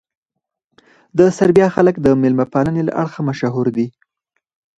د سربیا خلک د مېلمه پالنې له اړخه مشهور دي.